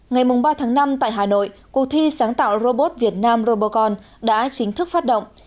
ngày ba tháng năm tại hà nội cuộc thi sáng tạo robot việt nam robocon đã chính thức phát động